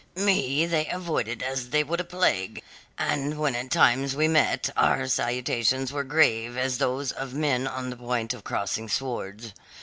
"Me they avoided as they would a plague, and when at times we met, our salutations were grave as those of, men on the point of crossing swords.